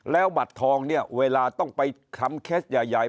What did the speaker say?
แล้วบัตรทองเนี่ยเวลาต้องไปทำเคสใหญ่